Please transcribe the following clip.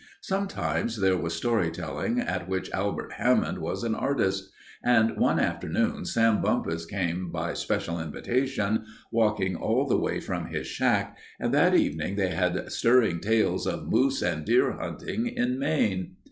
Sometimes there was story telling, at which Albert Hammond was an artist. And one afternoon Sam Bumpus came by special invitation, walking all the way from his shack, and that evening they had stirring tales of moose and deer hunting in Maine.